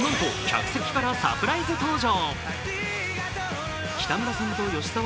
なんと客席からサプライズ登場。